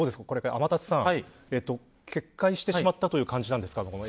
天達さん決壊してしまったという感じなんですか。